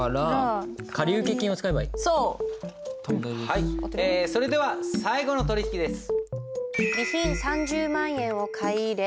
はいそれでは最後の取引です。